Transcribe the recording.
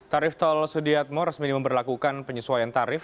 tarif tol sediatmo resmi ini memperlakukan penyesuaian tarif